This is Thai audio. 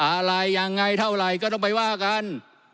อะไรยังไงเท่าไหร่ก็ต้องไปว่ากัน